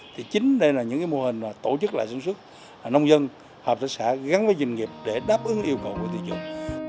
thì chính đây là những mô hình tổ chức lại sản xuất nông dân hợp tác xã gắn với dân nghiệp để đáp ứng yêu cầu của thị trường